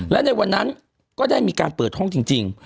และในวันนั้นก็ได้มีการเปิดห้องจริง